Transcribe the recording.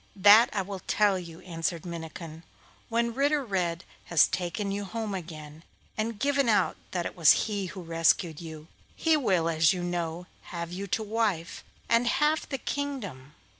'That I will tell you,' answered Minnikin. 'When Ritter Red has taken you home again, and given out that it was he who rescued you, he will, as you know, have you to wife, and half the kingdom.